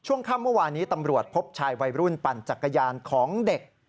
ช่วงค่ำเมื่อวานนี้ตำรวจพบชายวัยรุ่นปั่นจักรยานของเด็ก